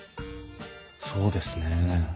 そうですね。